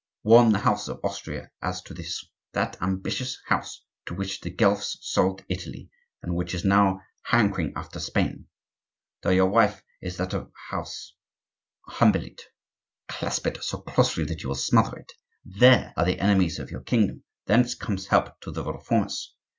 Warn the house of Austria as to this,—that ambitious house to which the Guelphs sold Italy, and which is even now hankering after Spain. Though your wife is of that house, humble it! Clasp it so closely that you will smother it! There are the enemies of your kingdom; thence comes help to the Reformers.